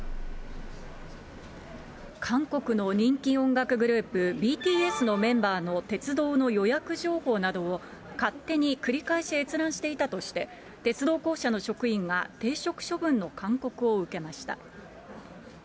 韓国の人気音楽グループ、ＢＴＳのメンバーの鉄道の予約情報などを、勝手に繰り返し閲覧していたとして、鉄道公社の職員が停職処分の勧告を受けました。